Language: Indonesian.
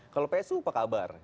kalau psu apa kabar